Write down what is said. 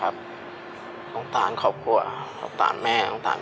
พี่ก็ต้องเป็นภาระของน้องของแม่อีกอย่างหนึ่ง